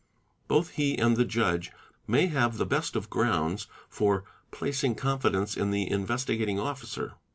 "Both he and the judge may have the best of grounds for placing confidence in the Investigating Officer.